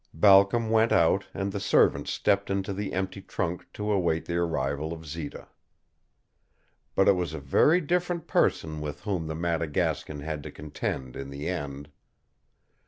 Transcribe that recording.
Balcom went out and the servant stepped into the empty trunk to await the arrival of Zita. But it was a very different person with whom the Madagascan had to contend in the end.